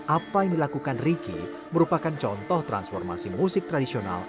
apa yang dilakukan ricky merupakan contoh transformasi musik tradisional